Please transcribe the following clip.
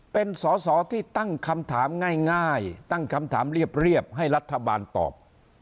เป็นสอสอที่ตั้งคำถามง่ายตั้งคำถามเรียบให้รัฐบาลตอบ